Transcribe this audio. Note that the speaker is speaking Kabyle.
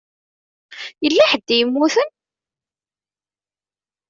Yella ḥedd i yemmuten?